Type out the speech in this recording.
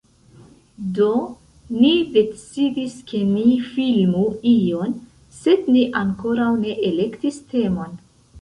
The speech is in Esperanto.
Do, ni decidis ke ni filmu ion sed ni ankoraŭ ne elektis temon